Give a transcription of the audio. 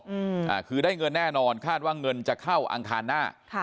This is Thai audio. อืมอ่าคือได้เงินแน่นอนคาดว่าเงินจะเข้าอังคารหน้าค่ะ